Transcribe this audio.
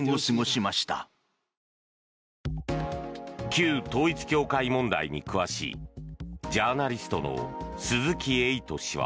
旧統一教会問題に詳しいジャーナリストの鈴木エイト氏は。